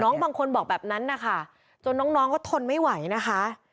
บางคนบอกแบบนั้นนะคะจนน้องเขาทนไม่ไหวนะคะ